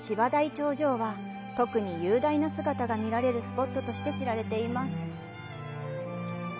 長城は特に雄大な姿が見られるスポットとして知られています。